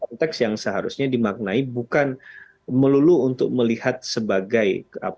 konteks yang seharusnya dimaknai bukan melulu untuk melihat sebagai